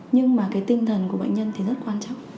nhưng mà cái tinh thần của bệnh nhân thì rất quan trọng